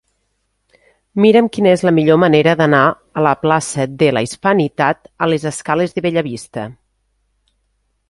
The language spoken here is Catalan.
Mira'm quina és la millor manera d'anar de la plaça de la Hispanitat a les escales de Bellavista.